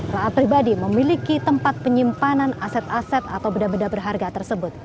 taat pribadi memiliki tempat penyimpanan aset aset atau benda benda berharga tersebut